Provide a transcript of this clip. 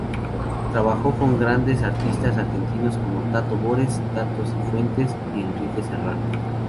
Trabajó con otros grandes artistas argentinos como Tato Bores, Tato Cifuentes y Enrique Serrano.